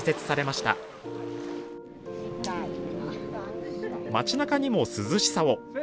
まちなかにも涼しさを。